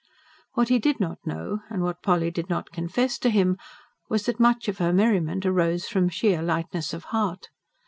What he did not know, and what Polly did not confess to him, was that much of her merriment arose from sheer lightness of heart.